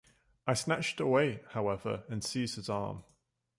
I snatched it away, however, and seized his arm.